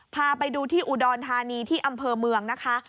พาไปดูที่อุดรธานีที่อำเภอเมืองนะคะ